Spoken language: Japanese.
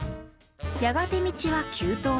やがて道は急登に。